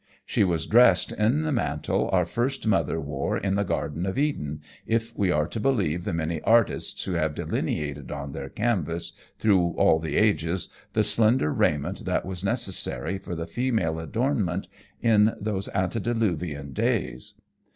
She was dressed in the mantle our first mother wore in the Garden of Eden, if we are to believe the many artists who have delineated on their canvas, through all the ages, tlie slender raiment that was necessary for the female adornment in those antediluvian days.